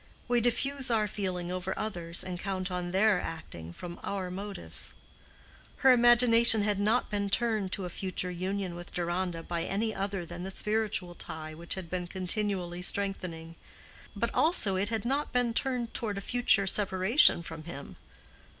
We diffuse our feeling over others, and count on their acting from our motives. Her imagination had not been turned to a future union with Deronda by any other than the spiritual tie which had been continually strengthening; but also it had not been turned toward a future separation from him.